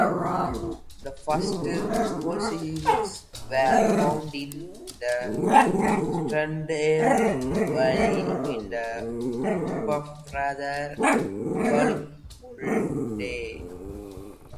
The first fossils were found in the Strundevalley in the Paffrather Kalkmulde.